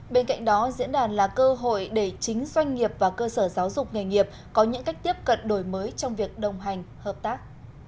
bên cạnh đó diễn đàn là cơ hội để chính doanh nghiệp và cơ sở giáo dục nghề nghiệp có những cách tiếp cận đổi mới trong việc đồng hành hợp tác